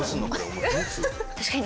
確かに。